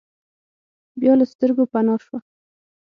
بیا له سترګو پناه شوه.